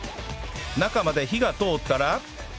中まで火が通ったら